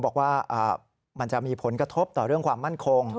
บอกว่ามันจะมีผลกระทบต่อเรื่องความมั่นคง